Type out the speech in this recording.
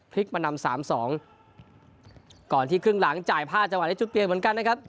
มานำสามสองก่อนที่ครึ่งหลังจ่ายห้าจังหวะได้จุดเปลี่ยนเหมือนกันนะครับ